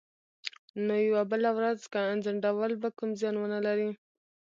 نو یوه بله ورځ ځنډول به کوم زیان ونه لري